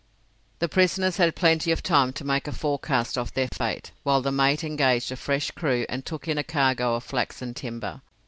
The prisoners had plenty of time to make a forecast of their fate, while the mate engaged a fresh crew and took in a cargo of flax and timber.